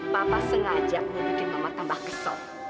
papa sengaja mau bikin mama tambah kesel